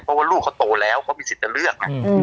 เพราะว่าลูกเขาโตแล้วเขามีสิทธิ์จะเลือกไง